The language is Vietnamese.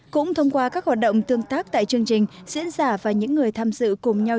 cũng thông qua các hoạt động tương tác tại chương trình diễn giả và những người tham dự cùng nhau